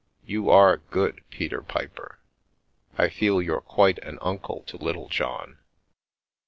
You are good, Peter Piper. I feel you're quite an uncle to Littlejohn."